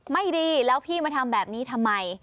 ไม่ดีแล้วพี่มาทำแบบนี้ทำไม